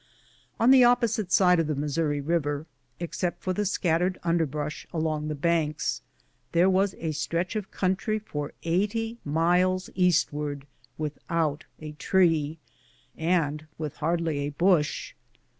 On the opposite side of the Missouri Hiver, except for the scattered underbrush along the banks, there was a stretch of country for eighty miles eastward without a tree, and with hardly a bush.